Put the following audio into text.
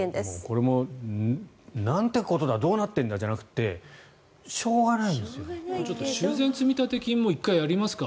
これもなんてことだどうなってるんだじゃなくて修繕積立金も１回やりますか。